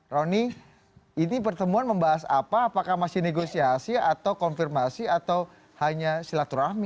roni ini pertemuan membahas apa apakah masih negosiasi atau konfirmasi atau hanya silaturahmi